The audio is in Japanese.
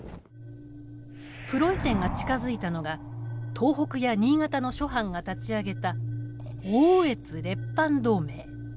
プロイセンが近づいたのが東北や新潟の諸藩が立ち上げた奥羽越列藩同盟。